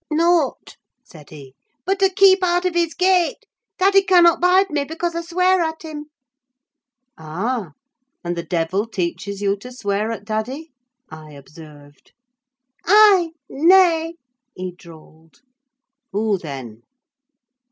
"Naught," said he, "but to keep out of his gait. Daddy cannot bide me, because I swear at him." "Ah! and the devil teaches you to swear at daddy?" I observed. "Ay—nay," he drawled. "Who, then?"